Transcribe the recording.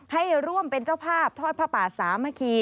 ให้ร่วมเป็นเจ้าภาพทอดผ้าป่าสามัคคี